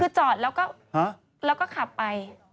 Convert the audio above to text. คือจอดแล้วก็ขับไป